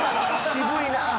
「渋いなあ」